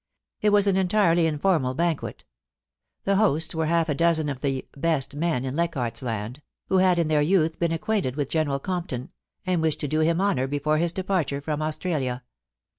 It was an entirely informal banquet The hosts were half a dozen of the 'best' men in LeichardC's Land, who had in their youth been acquainted with General Compton, and wished to do him honour before his departure from Australia.